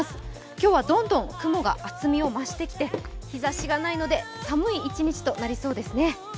今日はどんどん雲が厚みを増してきて日ざしがないので寒い一日となりそうですね。